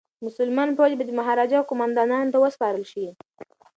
مسلمان فوج به د مهاراجا قوماندانانو ته وسپارل شي.